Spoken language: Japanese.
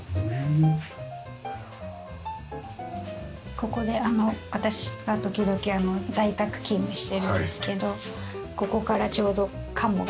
ここで私が時々在宅勤務してるんですけどここからちょうどカモが見えたりして。